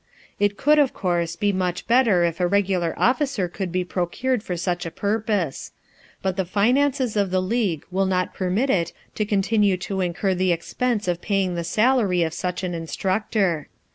It would, of course, be much better if a regular officer could be procured for such a purpose. But the finances of the league will not permit it to continue to incur the expense of paying the salary of such an instructor.